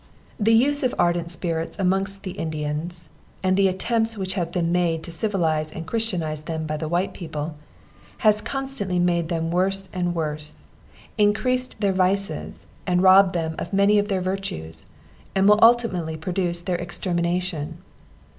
The use of ardent spirits amongst the Indians, and the attempts which have been made to civilize and christianize them by the white people, has constantly made them worse and worse; increased their vices, and robbed them of many of their virtues; and will ultimately produce their extermination.